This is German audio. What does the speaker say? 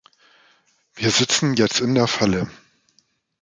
Wir sitzen jetzt in der Falle.